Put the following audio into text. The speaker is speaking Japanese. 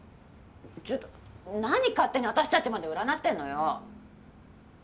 ちょっと何勝手に私たちまで占ってんのよ。